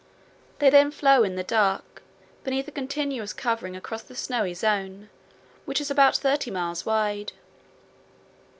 They then flow in the dark beneath a continuous covering across the snowy zone, which is about thirty miles wide.